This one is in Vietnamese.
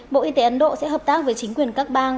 bộ y tế ấn độ sẽ hợp tác với chính quyền các bang